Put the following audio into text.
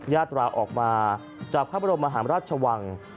ญาตราออกมาจากพระบรมมหาราชวัง